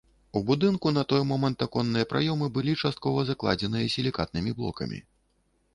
У будынку на той момант аконныя праёмы былі часткова закладзеныя сілікатнымі блокамі.